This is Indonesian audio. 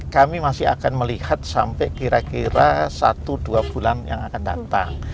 kami masih akan melihat sampai kira kira satu dua bulan yang akan datang